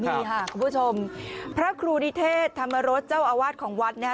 นี่ค่ะคุณผู้ชมพระครูนิเทศธรรมรสเจ้าอาวาสของวัดนะฮะ